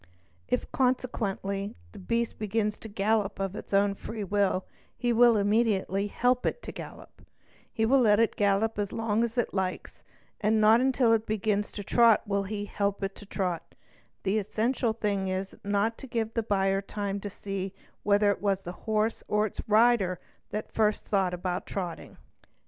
If, consequently, _ the beast begins to gallop of its own free will, he will immediately help it i to gallop; he will let it gallop as long as it likes, and not till it begins to trot will he help it to trot; the essential thing is not to give the buyer time to see whether it was the horse or its rider that first thought about trotting.